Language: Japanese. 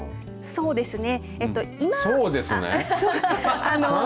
そうですね。